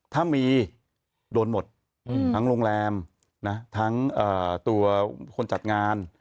ถ้ามีโดนหมดทั้งโรงแรมทั้งตัวคนจัดงาน